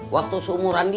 waktu seumuran dia